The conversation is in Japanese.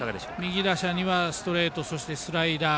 右打者にはストレートそしてスライダー。